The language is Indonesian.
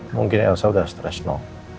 mungkin elsa udah stress no